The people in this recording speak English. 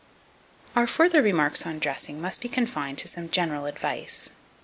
2258. Our further remarks on dressing must be confined to some general advice.